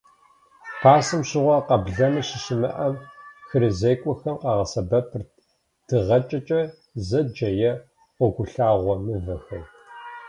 Пасэм щыгъуэ, къэблэмэ щыщымыӀам, хырызекӀуэхэм къагъэсэбэпырт дыгъэхэкӀкӀэ зэджэ, е гъуэгугъэлъагъуэ мывэхэр.